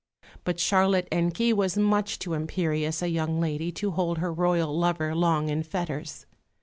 But Charlotte Encke was much too imperious a young lady to hold her Royal lover long in fetters.